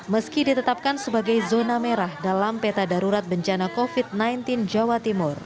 meski ditetapkan sebagai zona merah dalam peta darurat bencana covid sembilan belas jawa timur